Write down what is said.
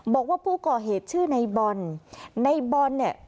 บอกว่าผู้ก่อเหตุชื่อในบอลในบอลเนี่ย